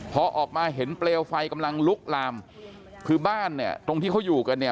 พอออกมาเห็นเปลวไฟกำลังลุกลามคือบ้านเนี่ยตรงที่เขาอยู่กันเนี่ย